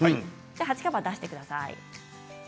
鉢カバーを出してください。